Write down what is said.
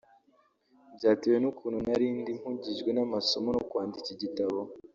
byatewe n’ukuntu nari ndi mpugijwe n’amasomo no kwandika igitabo